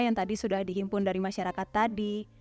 yang tadi sudah dihimpun dari masyarakat tadi